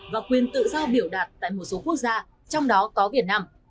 và quyền tự do biểu đạt tại một số quốc gia trong đó có việt nam